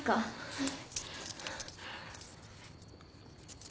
はい。